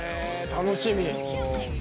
楽しみ。